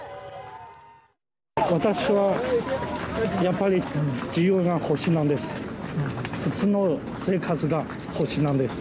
私はやっぱり自由が欲しいんです。